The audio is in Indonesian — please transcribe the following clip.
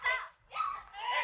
gampang itu ya ampun tia